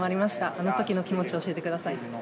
あの時の気持ちを教えてください。